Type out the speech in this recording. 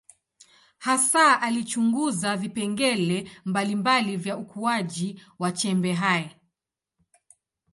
Hasa alichunguza vipengele mbalimbali vya ukuaji wa chembe hai.